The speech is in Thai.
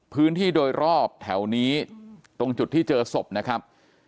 พื้นที่โดยรอบแถวนี้ตรงจุดที่เจอศพนะครับ